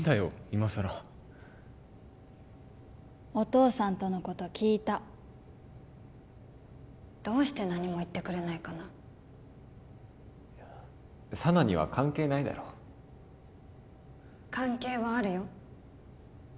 いまさらお父さんとのこと聞いたどうして何も言ってくれないかな佐奈には関係ないだろ関係はあるよ